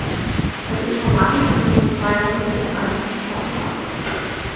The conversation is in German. Als Informatiker muss man Zweierpotenzen einfach im Kopf haben.